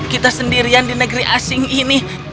kita sendirian di negeri asing ini